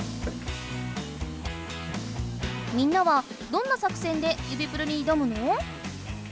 みんなはどんな作戦で指プルに挑むの？